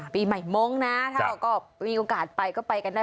ปีใหม่มงค์นะถ้าเราก็มีโอกาสไปก็ไปกันได้